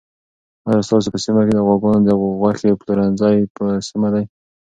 آیا ستاسو په سیمه کې د غواګانو د غوښې پلورنځي په سمه دي؟